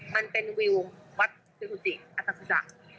มันเป็นวิววัดเจ๊วสุจิอาสั้พรุตภาค